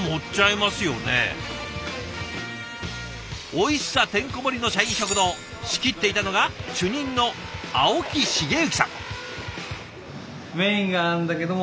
おいしさてんこ盛りの社員食堂仕切っていたのが主任の青木繁幸さん。